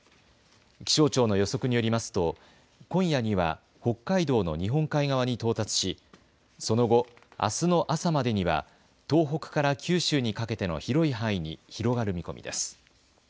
気象庁の予測によりますと今夜には北海道の日本海側に到達しその後あすの朝までには東北から九州にかけての広い範囲に広がる見込みです。